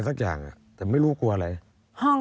มันกลัวอะไรสักอย่าง